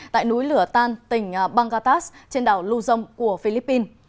tại núi lửa tan tỉnh bangatas trên đảo luzon của philippines